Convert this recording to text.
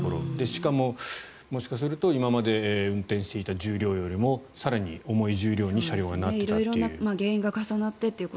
しかも、もしかすると今まで運転していた重量よりも更に重い重量に車両がなっているという。